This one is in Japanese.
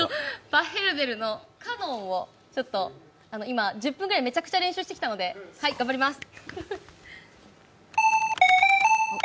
パッフェルベルの「カノン」を１０分ぐらいめちゃくちゃ練習してきたので頑張ります。